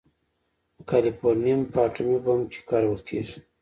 د کالیفورنیم په اټوم بم کې کارول کېږي.